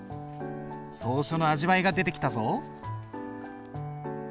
草書の味わいが出てきたぞ。